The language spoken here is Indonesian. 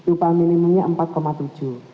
upah minimumnya rp empat tujuh